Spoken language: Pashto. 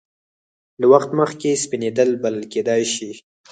له وخت مخکې سپینېدل بلل کېدای شي.